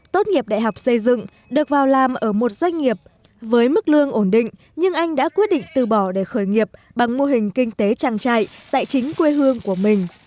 tốt nghiệp đại học xây dựng được vào làm ở một doanh nghiệp với mức lương ổn định nhưng anh đã quyết định từ bỏ để khởi nghiệp bằng mô hình kinh tế trang trại tại chính quê hương của mình